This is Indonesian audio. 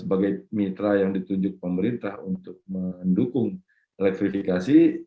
sebagai mitra yang ditunjuk pemerintah untuk mendukung elektrifikasi